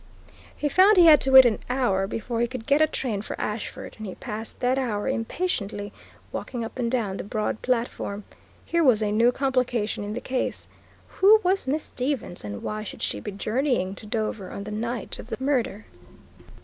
He found he had to wait an hour before he could get a train for Ashford, and he passed that hour impatiently walking up and down the broad platform. Here was a new complication in the case. Who was Miss Stevens, and why should she be journeying to Dover on the night of the murder?